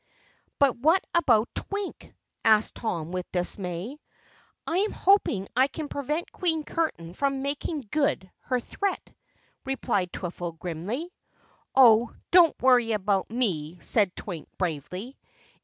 "But what about Twink?" asked Tom with dismay. "I am hoping I can prevent Queen Curtain from making good her threat," replied Twiffle grimly. "Oh, don't worry about me," said Twink bravely.